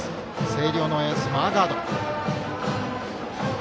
星稜のエース、マーガード。